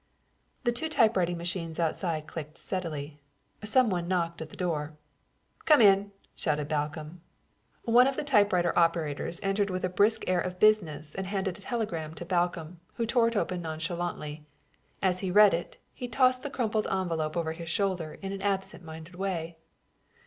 The two typewriting machines outside clicked steadily. Some one knocked at the door. "Come in!" shouted Balcomb. One of the typewriter operators entered with a brisk air of business and handed a telegram to Balcomb, who tore it open nonchalantly. As he read it, he tossed the crumpled envelope over his shoulder in an absent minded way.